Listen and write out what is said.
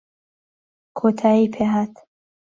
کۆتایی پێهات